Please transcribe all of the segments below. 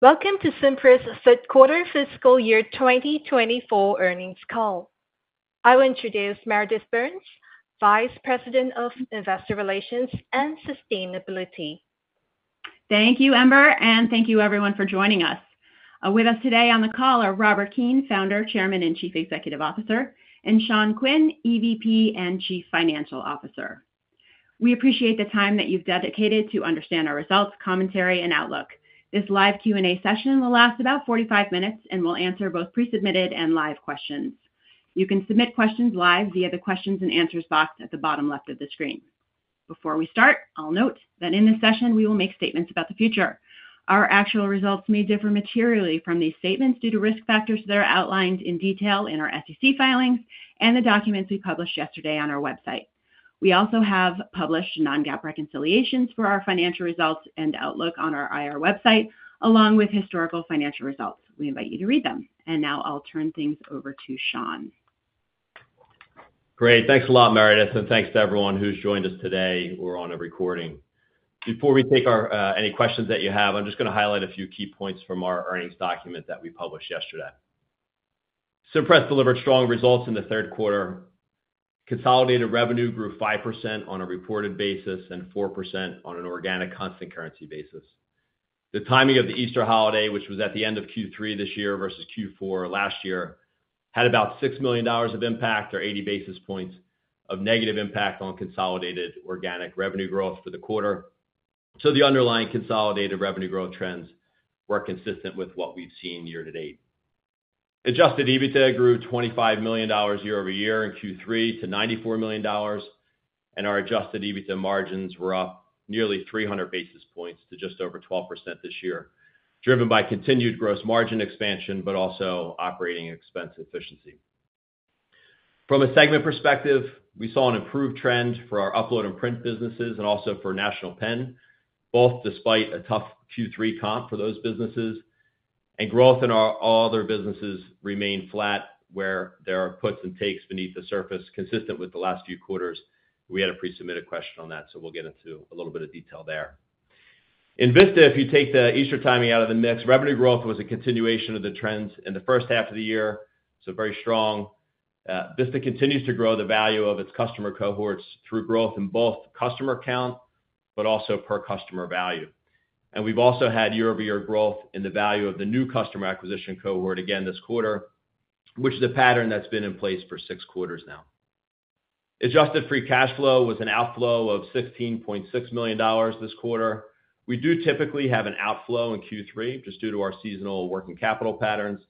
Welcome to Cimpress third quarter fiscal year 2024 earnings call. I will introduce Meredith Burns, Vice President of Investor Relations and Sustainability. Thank you, Ember, and thank you everyone for joining us. With us today on the call are Robert Keane, Founder, Chairman and Chief Executive Officer, and Sean Quinn, EVP and Chief Financial Officer. We appreciate the time that you've dedicated to understand our results, commentary, and outlook. This live Q&A session will last about 45 minutes, and we'll answer both pre-submitted and live questions. You can submit questions live via the Questions and Answers box at the bottom left of the screen. Before we start, I'll note that in this session we will make statements about the future. Our actual results may differ materially from these statements due to risk factors that are outlined in detail in our SEC filings and the documents we published yesterday on our website. We also have published non-GAAP reconciliations for our financial results and outlook on our IR website, along with historical financial results. We invite you to read them. Now I'll turn things over to Sean. Great. Thanks a lot, Meredith, and thanks to everyone who's joined us today. We're on a recording. Before we take any questions that you have, I'm just going to highlight a few key points from our earnings document that we published yesterday. Cimpress delivered strong results in the third quarter. Consolidated revenue grew 5% on a reported basis and 4% on an organic constant currency basis. The timing of the Easter holiday, which was at the end of Q3 this year versus Q4 last year, had about $6 million of impact, or 80 basis points of negative impact, on consolidated organic revenue growth for the quarter. So the underlying consolidated revenue growth trends were consistent with what we've seen year to date. Adjusted EBITDA grew $25 million year-over-year in Q3 to $94 million, and our adjusted EBITDA margins were up nearly 300 basis points to just over 12% this year, driven by continued gross margin expansion but also operating expense efficiency. From a segment perspective, we saw an improved trend for our Upload and Print businesses and also for National Pen, both despite a tough Q3 comp for those businesses, and growth in all other businesses remained flat, where there are puts and takes beneath the surface, consistent with the last few quarters. We had a pre-submitted question on that, so we'll get into a little bit of detail there. In Vista, if you take the Easter timing out of the mix, revenue growth was a continuation of the trends in the first half of the year, so very strong. Vista continues to grow the value of its customer cohorts through growth in both customer count but also per customer value. We've also had year-over-year growth in the value of the new customer acquisition cohort again this quarter, which is a pattern that's been in place for six quarters now. Adjusted free cash flow was an outflow of $16.6 million this quarter. We do typically have an outflow in Q3 just due to our seasonal working capital patterns.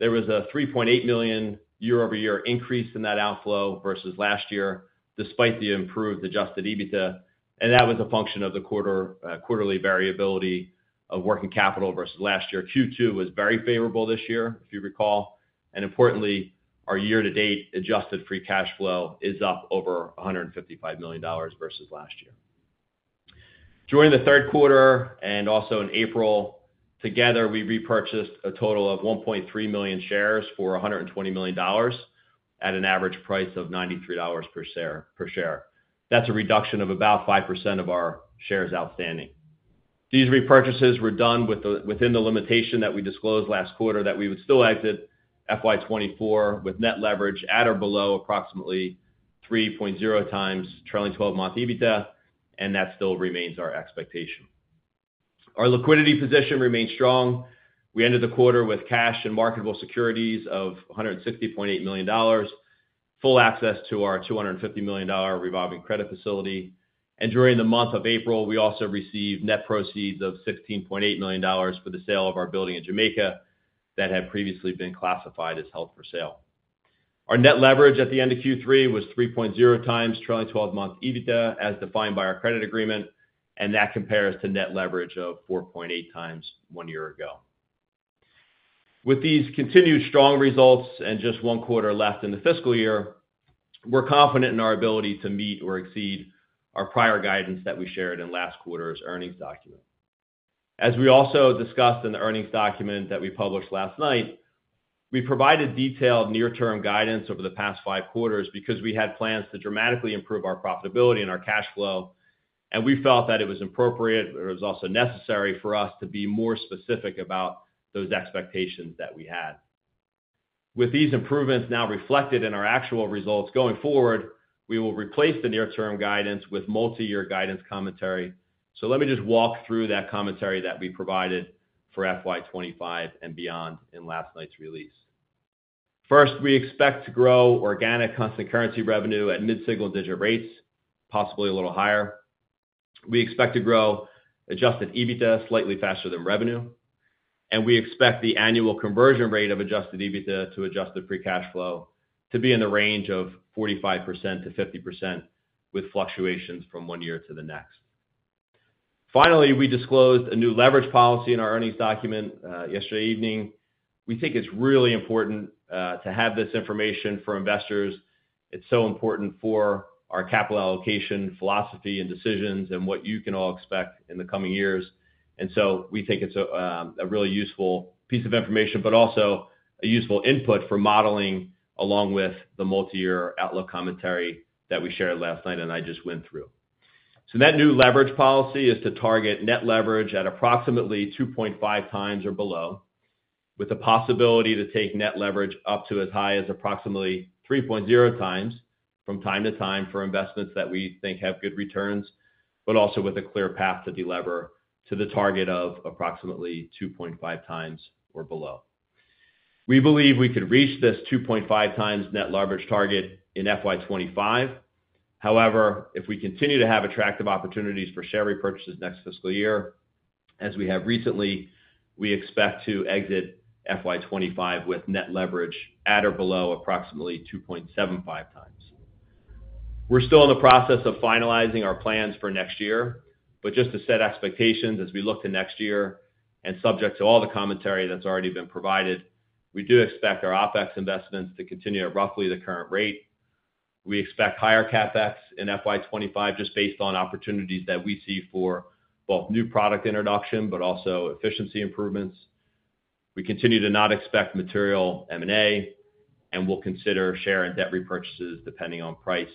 There was a $3.8 million year-over-year increase in that outflow versus last year, despite the improved adjusted EBITDA, and that was a function of the quarterly variability of working capital versus last year. Q2 was very favorable this year, if you recall. Importantly, our year-to-date adjusted free cash flow is up over $155 million versus last year. During the third quarter and also in April, together, we repurchased a total of 1.3 million shares for $120 million at an average price of $93 per share. That's a reduction of about 5% of our shares outstanding. These repurchases were done within the limitation that we disclosed last quarter that we would still exit FY 2024 with net leverage at or below approximately 3.0x trailing 12-month EBITDA, and that still remains our expectation. Our liquidity position remained strong. We ended the quarter with cash and marketable securities of $160.8 million, full access to our $250 million revolving credit facility. During the month of April, we also received net proceeds of $16.8 million for the sale of our building in Jamaica that had previously been classified as held for sale. Our net leverage at the end of Q3 was 3.0x trailing 12-month EBITDA as defined by our credit agreement, and that compares to net leverage of 4.8x one year ago. With these continued strong results and just one quarter left in the fiscal year, we're confident in our ability to meet or exceed our prior guidance that we shared in last quarter's earnings document. As we also discussed in the earnings document that we published last night, we provided detailed near-term guidance over the past five quarters because we had plans to dramatically improve our profitability and our cash flow, and we felt that it was appropriate or it was also necessary for us to be more specific about those expectations that we had. With these improvements now reflected in our actual results going forward, we will replace the near-term guidance with multi-year guidance commentary. Let me just walk through that commentary that we provided for FY 2025 and beyond in last night's release. First, we expect to grow organic constant currency revenue at mid-single-digit rates, possibly a little higher. We expect to grow adjusted EBITDA slightly faster than revenue, and we expect the annual conversion rate of adjusted EBITDA to adjusted free cash flow to be in the range of 45%-50% with fluctuations from one year to the next. Finally, we disclosed a new leverage policy in our earnings document yesterday evening. We think it's really important to have this information for investors. It's so important for our capital allocation philosophy and decisions and what you can all expect in the coming years. And so we think it's a really useful piece of information, but also a useful input for modeling along with the multi-year outlook commentary that we shared last night and I just went through. So that new leverage policy is to target net leverage at approximately 2.5x or below, with the possibility to take net leverage up to as high as approximately 3.0x from time to time for investments that we think have good returns, but also with a clear path to delever to the target of approximately 2.5x or below. We believe we could reach this 2.5x net leverage target in FY 2025. However, if we continue to have attractive opportunities for share repurchases next fiscal year, as we have recently, we expect to exit FY 2025 with net leverage at or below approximately 2.75x. We're still in the process of finalizing our plans for next year, but just to set expectations as we look to next year and subject to all the commentary that's already been provided, we do expect our OpEx investments to continue at roughly the current rate. We expect higher CapEx in FY 2025 just based on opportunities that we see for both new product introduction but also efficiency improvements. We continue to not expect material M&A, and we'll consider share and debt repurchases depending on price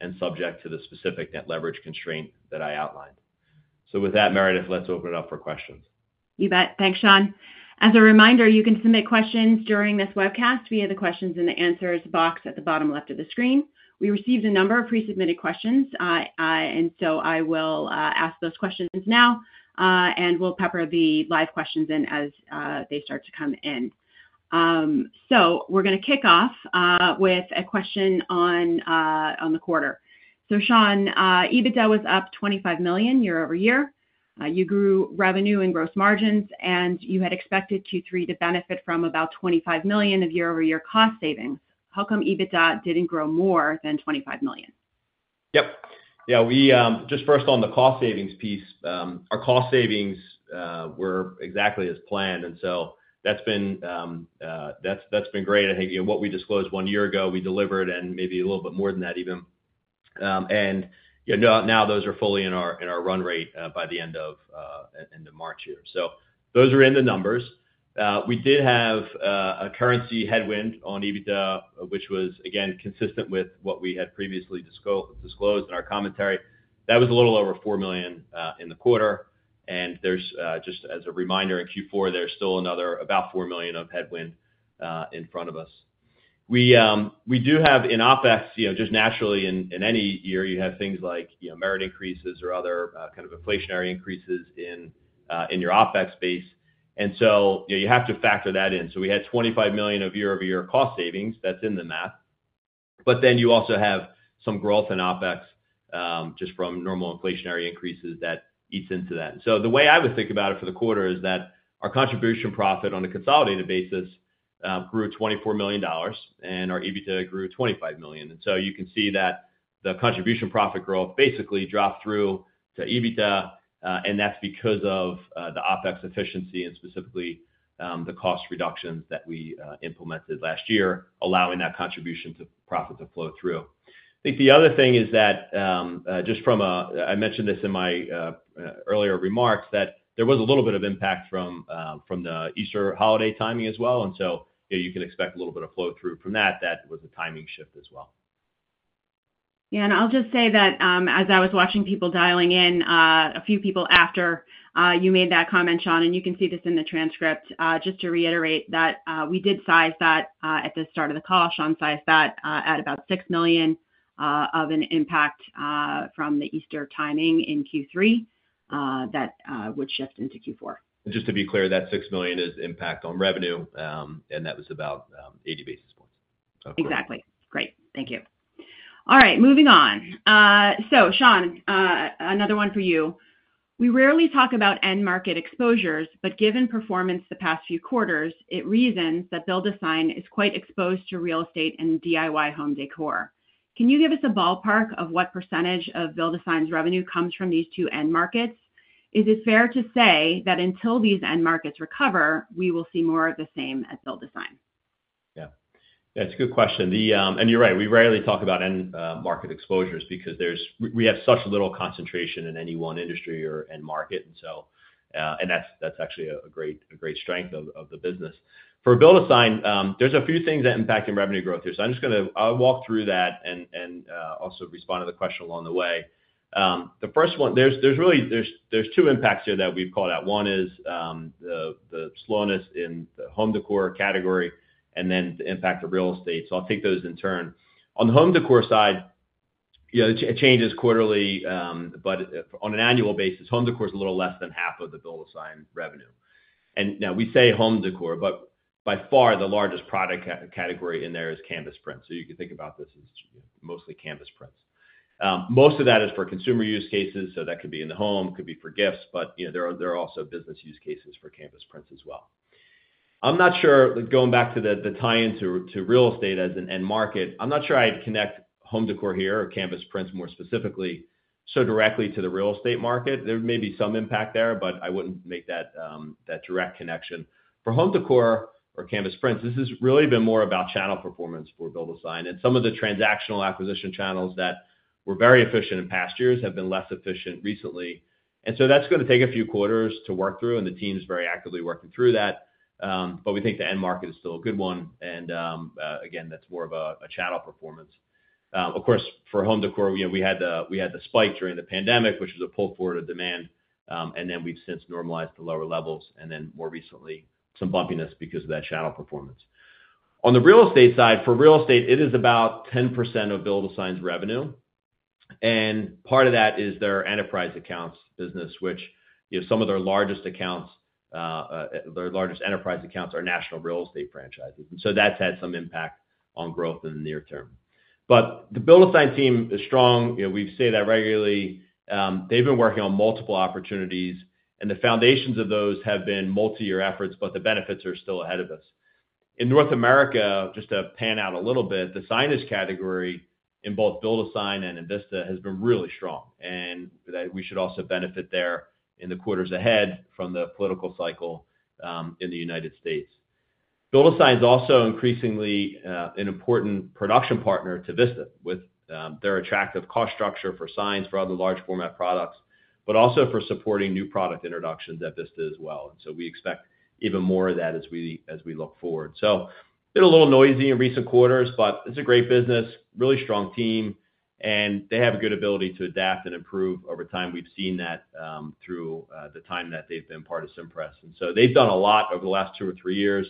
and subject to the specific net leverage constraint that I outlined. With that, Meredith, let's open it up for questions. You bet. Thanks, Sean. As a reminder, you can submit questions during this webcast via the Questions and the Answers box at the bottom left of the screen. We received a number of pre-submitted questions, and so I will ask those questions now, and we'll pepper the live questions in as they start to come in. We're going to kick off with a question on the quarter. Sean, EBITDA was up $25 million year-over-year. You grew revenue and gross margins, and you had expected Q3 to benefit from about $25 million of year-over-year cost savings. How come EBITDA didn't grow more than $25 million? Yep. Yeah. Just first on the cost savings piece, our cost savings were exactly as planned, and so that's been great. I think what we disclosed one year ago, we delivered and maybe a little bit more than that even. And now those are fully in our run rate by the end of March here. So those are in the numbers. We did have a currency headwind on EBITDA, which was, again, consistent with what we had previously disclosed in our commentary. That was a little over $4 million in the quarter. And just as a reminder, in Q4, there's still another about $4 million of headwind in front of us. We do have in OpEx, just naturally, in any year, you have things like merit increases or other kind of inflationary increases in your OpEx base. And so you have to factor that in. So we had $25 million of year-over-year cost savings. That's in the math. But then you also have some growth in OpEx just from normal inflationary increases that eats into that. And so the way I would think about it for the quarter is that our contribution profit on a consolidated basis grew $24 million, and our EBITDA grew $25 million. And so you can see that the contribution profit growth basically dropped through to EBITDA, and that's because of the OpEx efficiency and specifically the cost reductions that we implemented last year, allowing that contribution profit to flow through. I think the other thing is that just from, I mentioned this in my earlier remarks, that there was a little bit of impact from the Easter holiday timing as well. And so you can expect a little bit of flow through from that. That was a timing shift as well. Yeah. I'll just say that as I was watching people dialing in, a few people after you made that comment, Sean, and you can see this in the transcript, just to reiterate that we did size that at the start of the call. Sean sized that at about $6 million of an impact from the Easter timing in Q3 that would shift into Q4. Just to be clear, that $6 million is impact on revenue, and that was about 80 basis points. Exactly. Great. Thank you. All right. Moving on. So Sean, another one for you. We rarely talk about end market exposures, but given performance the past few quarters, it reasons that BuildASign is quite exposed to real estate and DIY home decor. Can you give us a ballpark of what percentage of BuildASign's revenue comes from these two end markets? Is it fair to say that until these end markets recover, we will see more of the same at BuildASign? Yeah. That's a good question. You're right. We rarely talk about end market exposures because we have such little concentration in any one industry or end market, and that's actually a great strength of the business. For BuildASign, there's a few things that impacted revenue growth here. I'm just going to walk through that and also respond to the question along the way. The first one, there's two impacts here that we've called out. One is the slowness in the home decor category and then the impact of real estate. I'll take those in turn. On the home decor side, it changes quarterly, but on an annual basis, home decor is a little less than half of the BuildASign revenue. Now we say home decor, but by far, the largest product category in there is canvas prints. So you can think about this as mostly canvas prints. Most of that is for consumer use cases. So that could be in the home, could be for gifts, but there are also business use cases for canvas prints as well. I'm not sure going back to the tie-in to real estate as an end market, I'm not sure I'd connect home decor here or canvas prints more specifically so directly to the real estate market. There may be some impact there, but I wouldn't make that direct connection. For home decor or canvas prints, this has really been more about channel performance for BuildASign. And some of the transactional acquisition channels that were very efficient in past years have been less efficient recently. And so that's going to take a few quarters to work through, and the team's very actively working through that. But we think the end market is still a good one. And again, that's more of a channel performance. Of course, for home décor, we had the spike during the pandemic, which was a pull forward of demand. And then we've since normalized to lower levels. And then more recently, some bumpiness because of that channel performance. On the real estate side, for real estate, it is about 10% of BuildASign's revenue. And part of that is their enterprise accounts business, which some of their largest accounts, their largest enterprise accounts are national real estate franchises. And so that's had some impact on growth in the near term. But the BuildASign team is strong. We say that regularly. They've been working on multiple opportunities, and the foundations of those have been multi-year efforts, but the benefits are still ahead of us. In North America, just to pan out a little bit, the signage category in both BuildASign and Vista has been really strong, and we should also benefit there in the quarters ahead from the political cycle in the United States. BuildASign is also increasingly an important production partner to Vista with their attractive cost structure for signs, for other large-format products, but also for supporting new product introductions at Vista as well. And so we expect even more of that as we look forward. So it's been a little noisy in recent quarters, but it's a great business, really strong team, and they have a good ability to adapt and improve over time. We've seen that through the time that they've been part of Cimpress. And so they've done a lot over the last two years-three years.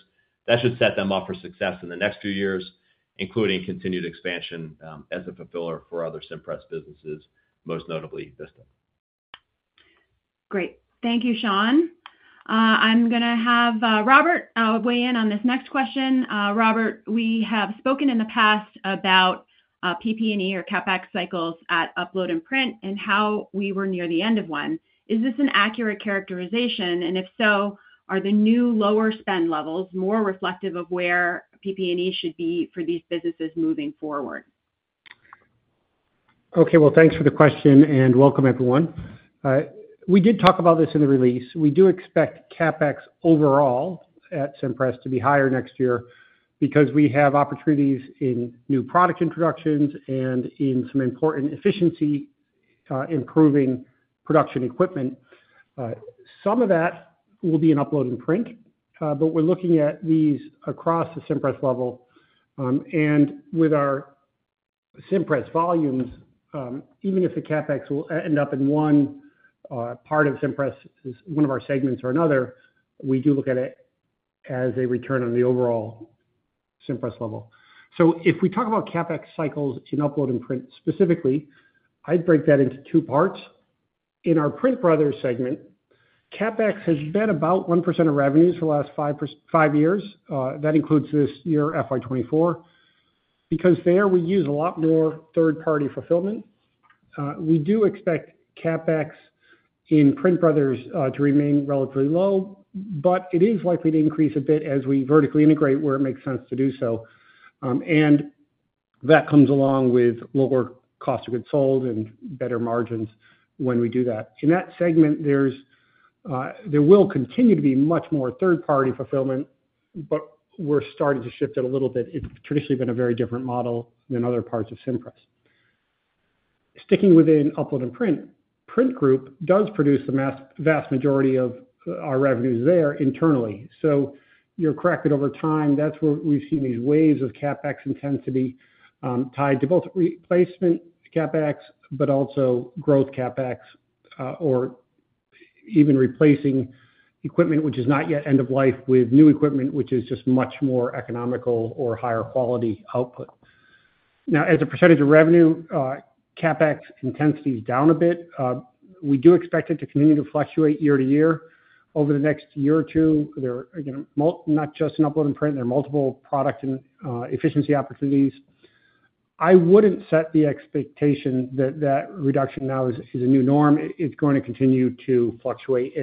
That should set them up for success in the next few years, including continued expansion as a fulfiller for other Cimpress businesses, most notably Vista. Great. Thank you, Sean. I'm going to have Robert weigh in on this next question. Robert, we have spoken in the past about PP&E or CapEx cycles at Upload and Print and how we were near the end of one. Is this an accurate characterization? And if so, are the new lower spend levels more reflective of where PP&E should be for these businesses moving forward? Okay. Well, thanks for the question and welcome, everyone. We did talk about this in the release. We do expect CapEx overall at Cimpress to be higher next year because we have opportunities in new product introductions and in some important efficiency-improving production equipment. Some of that will be in Upload and Print, but we're looking at these across the Cimpress level. And with our Cimpress volumes, even if the CapEx will end up in one part of Cimpress, one of our segments or another, we do look at it as a return on the overall Cimpress level. So if we talk about CapEx cycles in Upload and Print specifically, I'd break that into two parts. In our PrintBrothers segment, CapEx has been about 1% of revenues for the last five years. That includes this year, FY 2024. Because there, we use a lot more third-party fulfillment, we do expect CapEx in PrintBrothers to remain relatively low, but it is likely to increase a bit as we vertically integrate where it makes sense to do so. And that comes along with lower cost of goods sold and better margins when we do that. In that segment, there will continue to be much more third-party fulfillment, but we're starting to shift it a little bit. It's traditionally been a very different model than other parts of Cimpress. Sticking within Upload and Print, Print Group does produce the vast majority of our revenues there internally. So you're correct that over time, that's where we've seen these waves of CapEx intensity tied to both replacement CapEx, but also growth CapEx or even replacing equipment, which is not yet end of life, with new equipment, which is just much more economical or higher quality output. Now, as a percentage of revenue, CapEx intensity is down a bit. We do expect it to continue to fluctuate year to year. Over the next year or two, there are not just in Upload and Print. There are multiple product and efficiency opportunities. I wouldn't set the expectation that that reduction now is a new norm. It's going to continue to fluctuate.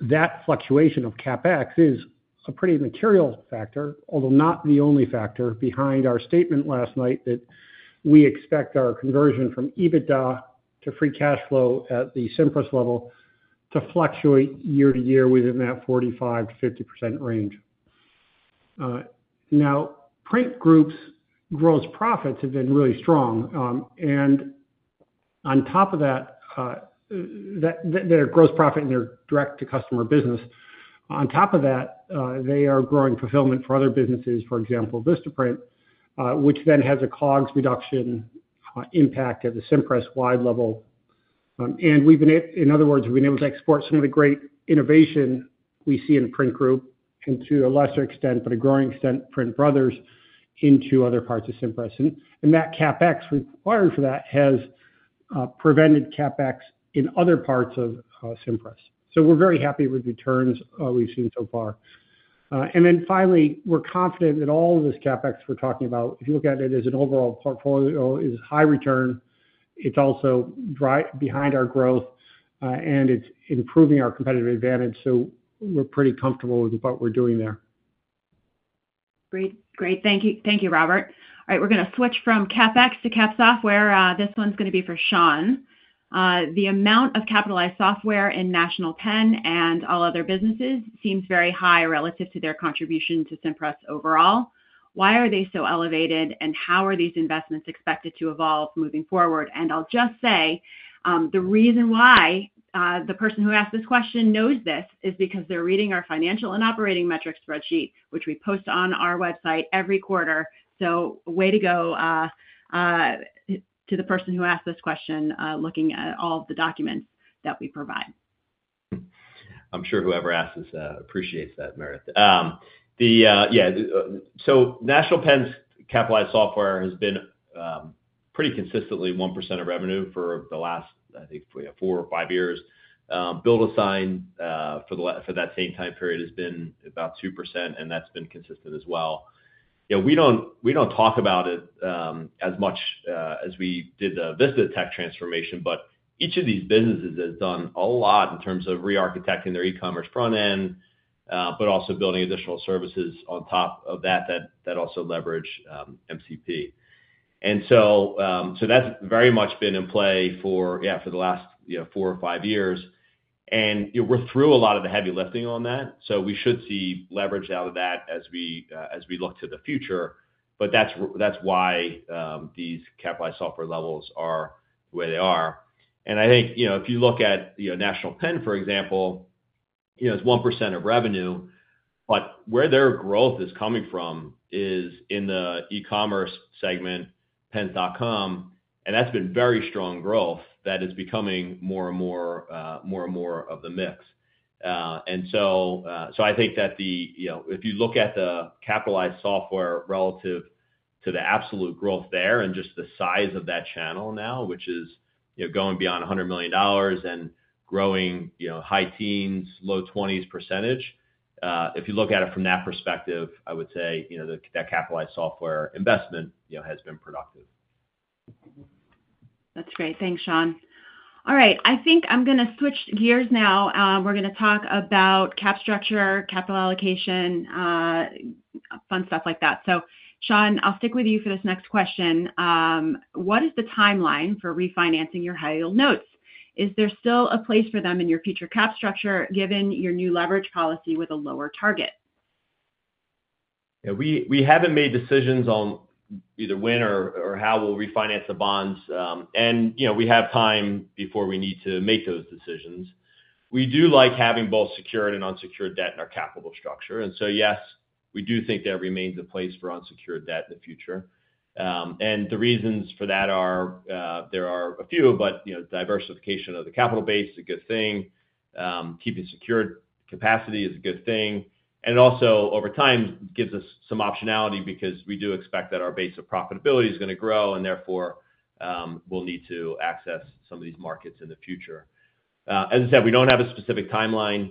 That fluctuation of CapEx is a pretty material factor, although not the only factor behind our statement last night that we expect our conversion from EBITDA to free cash flow at the Cimpress level to fluctuate year to year within that 45%-50% range. Now, Print Group's gross profits have been really strong. On top of that, their gross profit and their direct-to-customer business, on top of that, they are growing fulfillment for other businesses, for example, Vistaprint, which then has a COGS reduction impact at the Cimpress-wide level. In other words, we've been able to export some of the great innovation we see in Print Group and to a lesser extent, but a growing extent, PrintBrothers into other parts of Cimpress. That CapEx required for that has prevented CapEx in other parts of Cimpress. So we're very happy with returns we've seen so far. And then finally, we're confident that all of this CapEx we're talking about, if you look at it as an overall portfolio, is high return. It's also behind our growth, and it's improving our competitive advantage. So we're pretty comfortable with what we're doing there. Great. Great. Thank you, Robert. All right. We're going to switch from CapEx to cap software. This one's going to be for Sean. The amount of capitalized software in National Pen and all other businesses seems very high relative to their contribution to Cimpress overall. Why are they so elevated, and how are these investments expected to evolve moving forward? And I'll just say the reason why the person who asked this question knows this is because they're reading our financial and operating metrics spreadsheet, which we post on our website every quarter. So way to go to the person who asked this question looking at all of the documents that we provide. I'm sure whoever asks this appreciates that, Meredith. Yeah. So National Pen's capitalized software has been pretty consistently 1% of revenue for the last, I think, four years-five years. BuildASign, for that same time period, has been about 2%, and that's been consistent as well. We don't talk about it as much as we did the Vista tech transformation, but each of these businesses has done a lot in terms of rearchitecting their e-commerce front end, but also building additional services on top of that that also leverage MCP. And so that's very much been in play, yeah, for the last four years-five years. And we're through a lot of the heavy lifting on that. So we should see leverage out of that as we look to the future. But that's why these capitalized software levels are the way they are. I think if you look at National Pen, for example, it's 1% of revenue, but where their growth is coming from is in the e-commerce segment, Pens.com. And that's been very strong growth that is becoming more and more and more of the mix. And so I think that if you look at the capitalized software relative to the absolute growth there and just the size of that channel now, which is going beyond $100 million and growing high-teens-low-20s percentage, if you look at it from that perspective, I would say that capitalized software investment has been productive. That's great. Thanks, Sean. All right. I think I'm going to switch gears now. We're going to talk about cap structure, capital allocation, fun stuff like that. So Sean, I'll stick with you for this next question. What is the timeline for refinancing your high-yield notes? Is there still a place for them in your future cap structure given your new leverage policy with a lower target? Yeah. We haven't made decisions on either when or how we'll refinance the bonds. And we have time before we need to make those decisions. We do like having both secured and unsecured debt in our capital structure. And so yes, we do think there remains a place for unsecured debt in the future. And the reasons for that are there are a few, but diversification of the capital base is a good thing. Keeping secured capacity is a good thing. And it also, over time, gives us some optionality because we do expect that our base of profitability is going to grow, and therefore, we'll need to access some of these markets in the future. As I said, we don't have a specific timeline.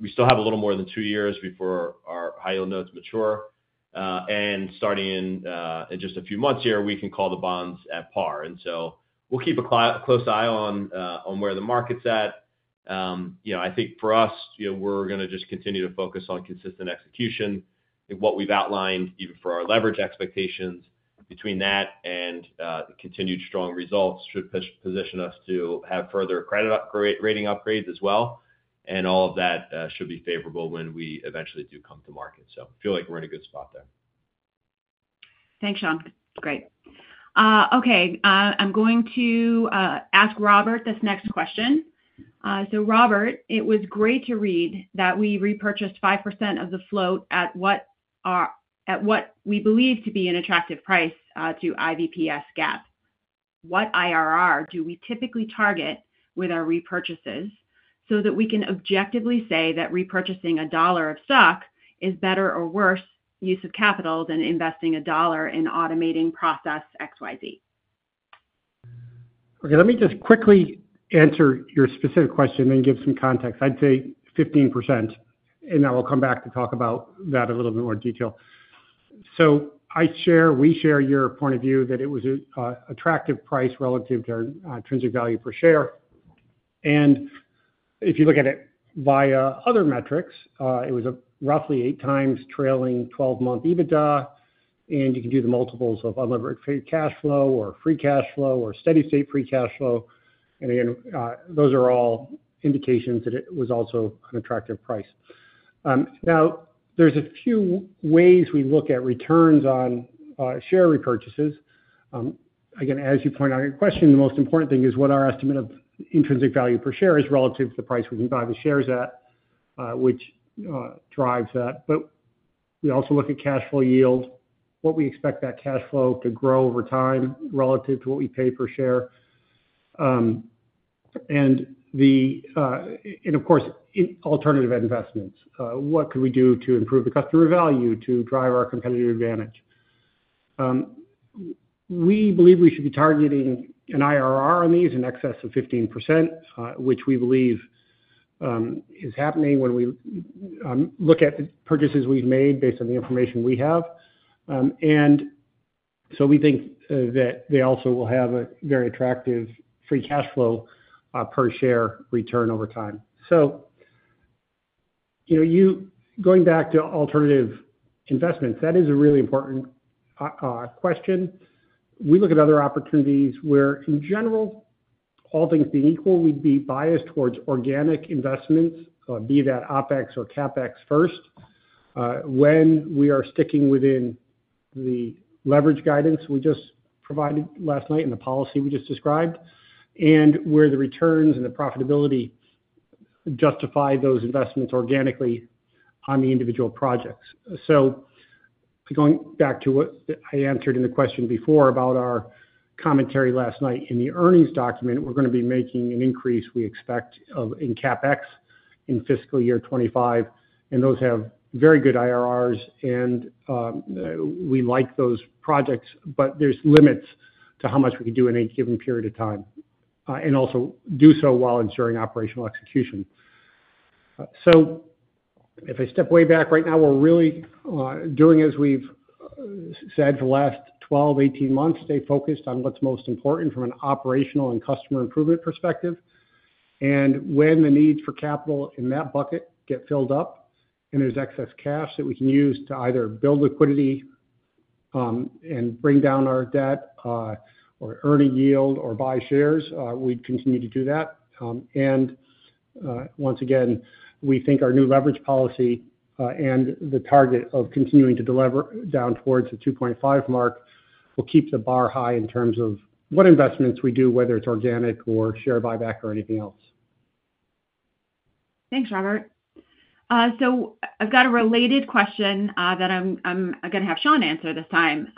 We still have a little more than two years before our high-yield notes mature. Starting in just a few months here, we can call the bonds at par. So we'll keep a close eye on where the market's at. I think for us, we're going to just continue to focus on consistent execution. What we've outlined, even for our leverage expectations, between that and continued strong results should position us to have further credit rating upgrades as well. All of that should be favorable when we eventually do come to market. I feel like we're in a good spot there. Thanks, Sean. Great. Okay. I'm going to ask Robert this next question. So Robert, it was great to read that we repurchased 5% of the float at what we believe to be an attractive price to IVPS GAAP. What IRR do we typically target with our repurchases so that we can objectively say that repurchasing a dollar of stock is better or worse use of capital than investing a dollar in automating process XYZ? Okay. Let me just quickly answer your specific question and give some context. I'd say 15%. And then we'll come back to talk about that in a little bit more detail. So we share your point of view that it was an attractive price relative to our intrinsic value per share. And if you look at it via other metrics, it was roughly 8x trailing 12-month EBITDA. And you can do the multiples of unleveraged free cash flow or free cash flow or steady-state free cash flow. And again, those are all indications that it was also an attractive price. Now, there's a few ways we look at returns on share repurchases. Again, as you point out in your question, the most important thing is what our estimate of intrinsic value per share is relative to the price we can buy the shares at, which drives that. But we also look at cash flow yield, what we expect that cash flow to grow over time relative to what we pay per share. And of course, alternative investments. What could we do to improve the customer value, to drive our competitive advantage? We believe we should be targeting an IRR on these, in excess of 15%, which we believe is happening when we look at the purchases we've made based on the information we have. And so we think that they also will have a very attractive free cash flow per share return over time. So going back to alternative investments, that is a really important question. We look at other opportunities where, in general, all things being equal, we'd be biased towards organic investments, be that OpEx or CapEx first, when we are sticking within the leverage guidance we just provided last night and the policy we just described and where the returns and the profitability justify those investments organically on the individual projects. So going back to what I answered in the question before about our commentary last night, in the earnings document, we're going to be making an increase we expect in CapEx in fiscal year 2025. And those have very good IRRs. And we like those projects, but there's limits to how much we can do in a given period of time and also do so while ensuring operational execution. So if I step way back, right now, we're really doing, as we've said for the last 12 months, 18 months, stay focused on what's most important from an operational and customer improvement perspective. And when the needs for capital in that bucket get filled up and there's excess cash that we can use to either build liquidity and bring down our debt or earn a yield or buy shares, we'd continue to do that. And once again, we think our new leverage policy and the target of continuing to deliver down towards the 2.5x mark will keep the bar high in terms of what investments we do, whether it's organic or share buyback or anything else. Thanks, Robert. So I've got a related question that I'm going to have Sean answer this time.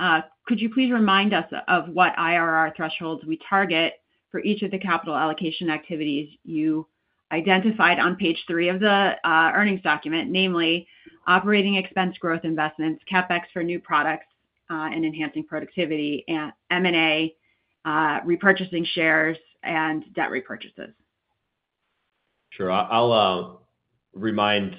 Could you please remind us of what IRR thresholds we target for each of the capital allocation activities you identified on page three of the earnings document, namely operating expense growth investments, CapEx for new products and enhancing productivity, M&A, repurchasing shares, and debt repurchases? Sure. I'll remind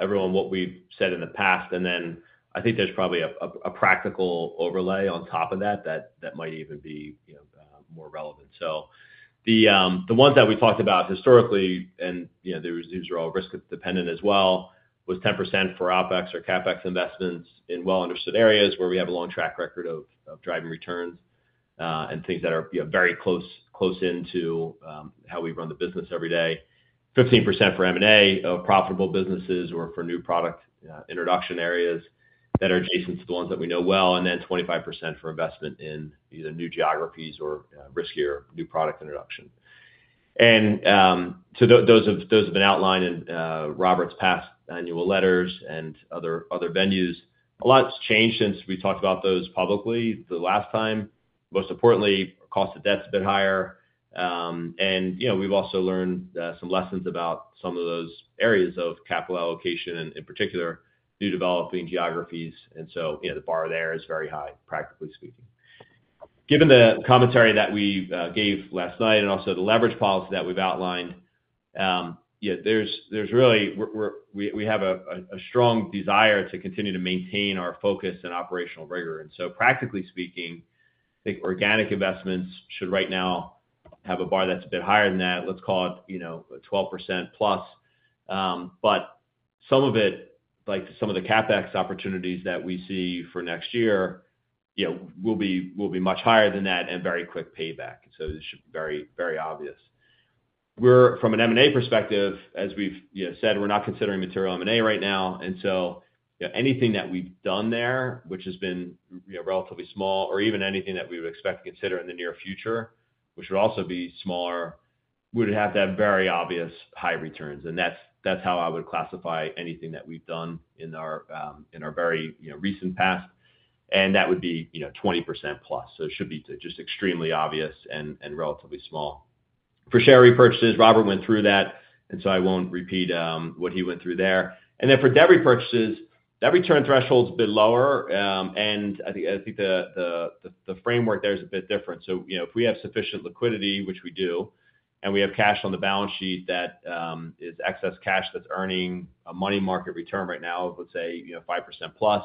everyone what we've said in the past. And then I think there's probably a practical overlay on top of that that might even be more relevant. So the ones that we talked about historically, and these are all risk-dependent as well, was 10% for OpEx or CapEx investments in well-understood areas where we have a long track record of driving returns and things that are very close into how we run the business every day, 15% for M&A of profitable businesses or for new product introduction areas that are adjacent to the ones that we know well, and then 25% for investment in either new geographies or riskier new product introduction. And so those have been outlined in Robert's past annual letters and other venues. A lot's changed since we talked about those publicly the last time. Most importantly, cost of debt's been higher. We've also learned some lessons about some of those areas of capital allocation, and in particular, new developing geographies. So the bar there is very high, practically speaking. Given the commentary that we gave last night and also the leverage policy that we've outlined, there's really we have a strong desire to continue to maintain our focus and operational rigor. So practically speaking, I think organic investments should right now have a bar that's a bit higher than that. Let's call it 12%+. But some of it, like some of the CapEx opportunities that we see for next year, will be much higher than that and very quick payback. So this should be very, very obvious. From an M&A perspective, as we've said, we're not considering material M&A right now. Anything that we've done there, which has been relatively small, or even anything that we would expect to consider in the near future, which would also be smaller, would have that very obvious high returns. That's how I would classify anything that we've done in our very recent past. That would be 20%+. It should be just extremely obvious and relatively small. For share repurchases, Robert went through that. I won't repeat what he went through there. For debt repurchases, debt return threshold's a bit lower. I think the framework there is a bit different. If we have sufficient liquidity, which we do, and we have cash on the balance sheet that is excess cash that's earning a money market return right now of, let's say, 5%+,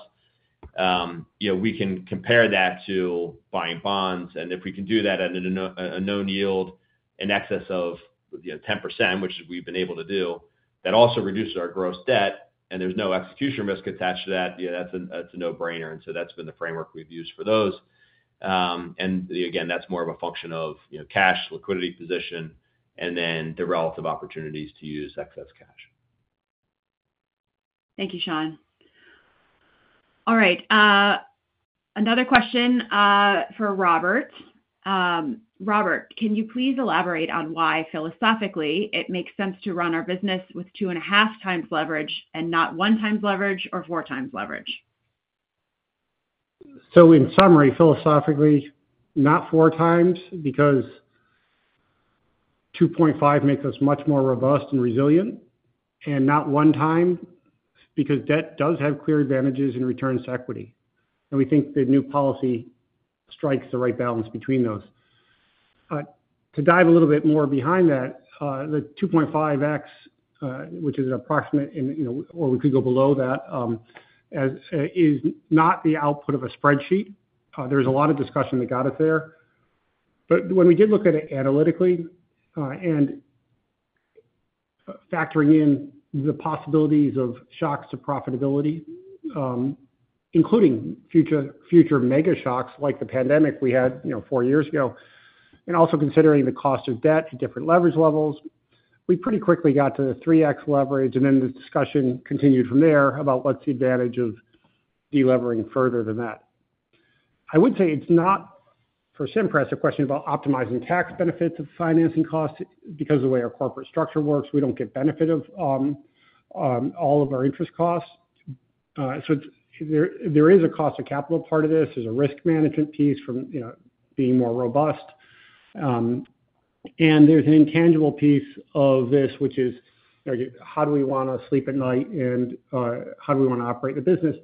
we can compare that to buying bonds. And if we can do that at a known yield in excess of 10%, which we've been able to do, that also reduces our gross debt. There's no execution risk attached to that. That's a no-brainer. So that's been the framework we've used for those. Again, that's more of a function of cash, liquidity position, and then the relative opportunities to use excess cash. Thank you, Sean. All right. Another question for Robert. Robert, can you please elaborate on why, philosophically, it makes sense to run our business with 2.5x leverage and not 1x leverage or 4x leverage? So in summary, philosophically, not 4x because 2.5x makes us much more robust and resilient, and not 1x because debt does have clear advantages in returns to equity. And we think the new policy strikes the right balance between those. To dive a little bit more behind that, the 2.5x, which is an approximate or we could go below that, is not the output of a spreadsheet. There's a lot of discussion that got us there. But when we did look at it analytically and factoring in the possibilities of shocks to profitability, including future mega shocks like the pandemic we had four years ago, and also considering the cost of debt at different leverage levels, we pretty quickly got to the 3x leverage. And then the discussion continued from there about what's the advantage of delevering further than that. I would say it's not, for Cimpress, a question about optimizing tax benefits of financing costs because of the way our corporate structure works. We don't get benefit of all of our interest costs. So there is a cost of capital part of this. There's a risk management piece from being more robust. And there's an intangible piece of this, which is, how do we want to sleep at night and how do we want to operate the business?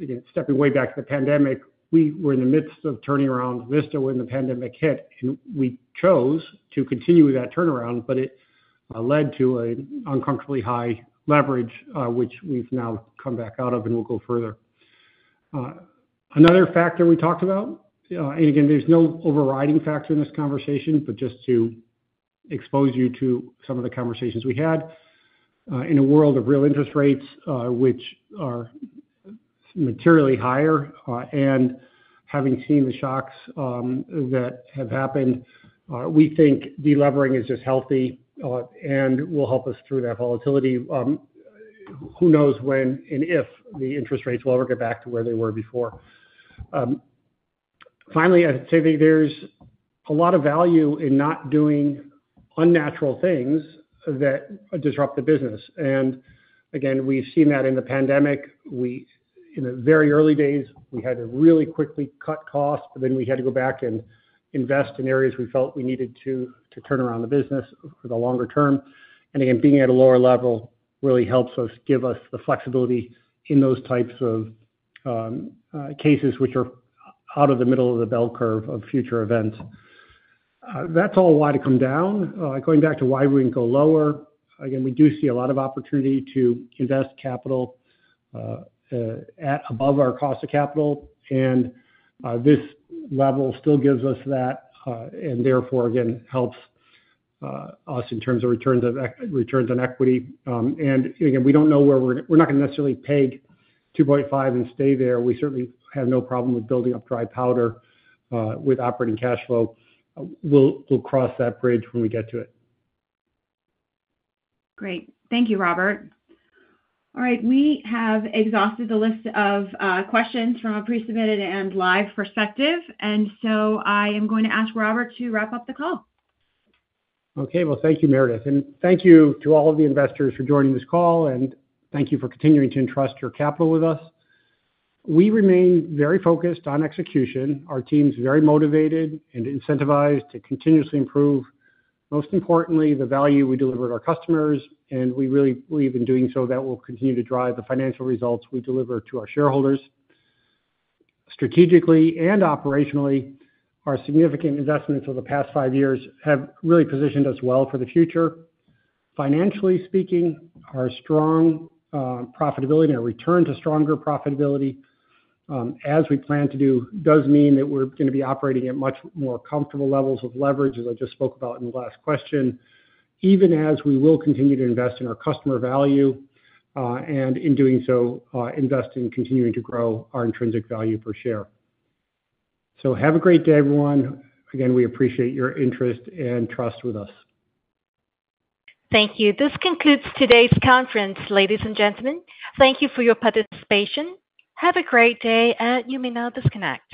Again, stepping way back to the pandemic, we were in the midst of turning around Vista when the pandemic hit. And we chose to continue with that turnaround, but it led to an uncomfortably high leverage, which we've now come back out of and will go further. Another factor we talked about, and again, there's no overriding factor in this conversation, but just to expose you to some of the conversations we had, in a world of real interest rates, which are materially higher, and having seen the shocks that have happened, we think delevering is just healthy and will help us through that volatility. Who knows when and if the interest rates will ever get back to where they were before? Finally, I'd say there's a lot of value in not doing unnatural things that disrupt the business. And again, we've seen that in the pandemic. In the very early days, we had to really quickly cut costs, but then we had to go back and invest in areas we felt we needed to turn around the business for the longer term. And again, being at a lower level really helps us give us the flexibility in those types of cases, which are out of the middle of the bell curve of future events. That's all why to come down. Going back to why we wouldn't go lower, again, we do see a lot of opportunity to invest capital above our cost of capital. And this level still gives us that and therefore, again, helps us in terms of returns on equity. And again, we don't know where we're not going to necessarily peg 2.5x and stay there. We certainly have no problem with building up dry powder with operating cash flow. We'll cross that bridge when we get to it. Great. Thank you, Robert. All right. We have exhausted the list of questions from a pre-submitted and live perspective. And so I am going to ask Robert to wrap up the call. Okay. Well, thank you, Meredith. And thank you to all of the investors for joining this call. And thank you for continuing to entrust your capital with us. We remain very focused on execution. Our team's very motivated and incentivized to continuously improve, most importantly, the value we deliver to our customers. And we really believe in doing so that will continue to drive the financial results we deliver to our shareholders. Strategically and operationally, our significant investments over the past five years have really positioned us well for the future. Financially speaking, our strong profitability and our return to stronger profitability, as we plan to do, does mean that we're going to be operating at much more comfortable levels of leverage, as I just spoke about in the last question, even as we will continue to invest in our customer value. In doing so, invest in continuing to grow our intrinsic value per share. Have a great day, everyone. Again, we appreciate your interest and trust with us. Thank you. This concludes today's conference, ladies and gentlemen. Thank you for your participation. Have a great day. You may now disconnect.